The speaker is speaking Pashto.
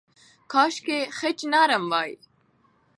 کاشکې خج نرم وای.